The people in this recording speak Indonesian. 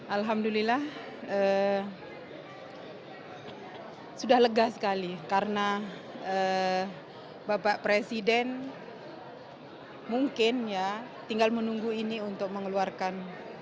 alhamdulillah sudah lega sekali karena bapak presiden mungkin ya tinggal menunggu ini untuk mengeluarkan